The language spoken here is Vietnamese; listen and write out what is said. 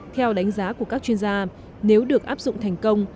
theo đánh giá của các chuyên gia nếu được áp dụng thành công